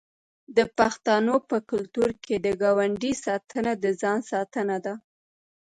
د پښتنو په کلتور کې د ګاونډي ساتنه د ځان ساتنه ده.